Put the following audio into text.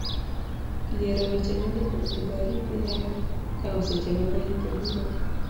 yiero weche mindiko e barupi nyalo kawo seche mang'eny to biro